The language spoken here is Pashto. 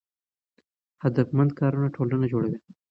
هدفمند کارونه ټولنه جوړوي.